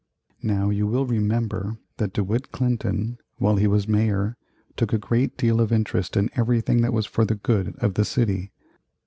Now you will remember that De Witt Clinton, while he was Mayor, took a great deal of interest in everything that was for the good of the city.